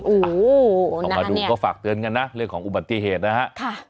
โอ้โหเอามาดูก็ฝากเตือนกันนะเรื่องของอุบัติเหตุนะฮะ